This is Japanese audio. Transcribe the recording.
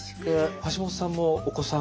橋本さんもお子さんが。